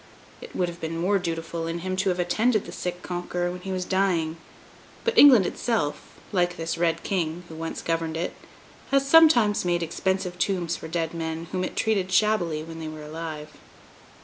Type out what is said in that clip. It would have been more dutiful in him to have attended the sick Conqueror when he was dying; but England itself, like this Red King, who once governed it, has sometimes made expensive tombs for dead men whom it treated shabbily when they were alive.